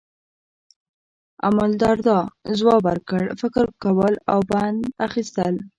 امالدرداء ځواب ورکړ، فکر کول او پند اخیستل.